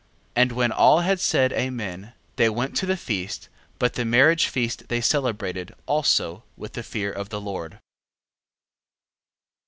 9:12. And when all had said, Amen, they went to the feast: but the marriage feast they celebrated also with the fear of the Lord.